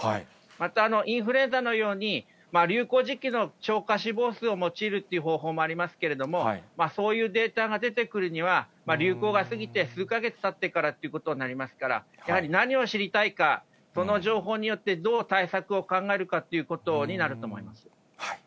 また、インフルエンザのように流行時期の超過死亡数を用いるという方法もありますけれども、そういうデータが出てくるには、流行が過ぎて数か月たってからということになりますから、やはり何を知りたいか、その情報によって、どう対策を考えるかっていうことになると思います。